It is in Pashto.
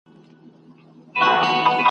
ځیني وي چي یې په سر کي بغاوت وي ..